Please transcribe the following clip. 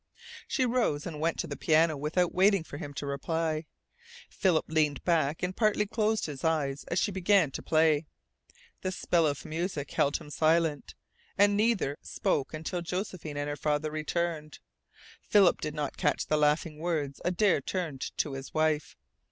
She rose and went to the piano without waiting for him to reply. Philip leaned back and partly closed his eyes as she began to play. The spell of music held him silent, and neither spoke until Josephine and her father returned. Philip did not catch the laughing words Adare turned to his wife.